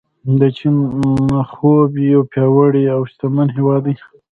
د چین خوب یو پیاوړی او شتمن هیواد دی.